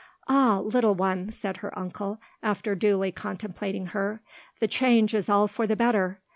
"Ah, little one!" said her uncle, after duly contemplating her; "the change is all for the better!